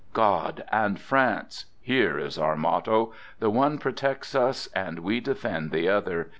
God and France ! Here is our motto. The one protects us, and we defend the other.